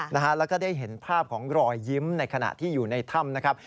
แล้วก็ได้เห็นภาพของรอยยิ้มในขณะที่อยู่ในถ้ำนะครับ